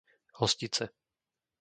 Hostice